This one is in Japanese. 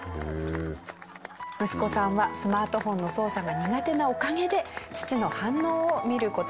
息子さんは「スマートフォンの操作が苦手なおかげで父の反応を見る事ができた」